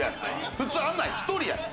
普通あんなん１人やねん。